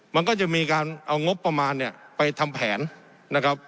มันก็จะมีการเอางบประมาณเนี่ยไปทำแผนนะครับ